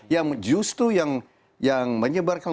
yang justru yang menyebarkan